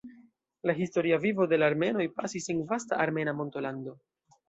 La historia vivo de la armenoj pasis en vasta armena montolando.